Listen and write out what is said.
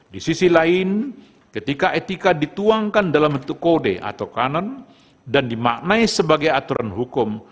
di sisi lain ketika etika dituangkan dalam bentuk kode atau kanan dan dimaknai sebagai aturan hukum